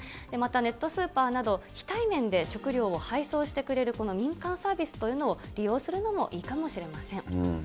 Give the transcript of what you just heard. またネットスーパーなど、非対面で食料を配送してくれるこの民間サービスというのを利用するのもいいかもしれません。